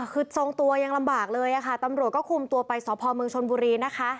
คือทรงตัวยังลำบากเลยค่ะตำรวจก็คุมตัวไปสพเมืองชนบุรีนะคะ